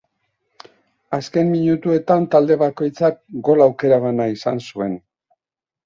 Azken minutuetan talde bakoitzak gol aukera bana izan zuen.